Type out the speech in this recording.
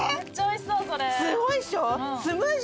すごいっしょ。